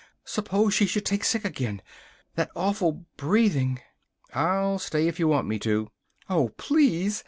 Suppose she should take sick again! That awful breathing " "I'll stay if you want me to." "Oh, please!